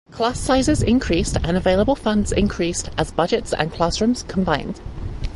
Class sizes increased and available funds increased as budgets and classrooms combined.